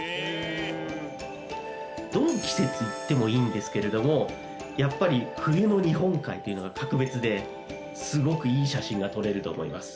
どの季節行ってもいいんですけれどもやっぱり冬の日本海というのが格別ですごくいい写真が撮れると思います。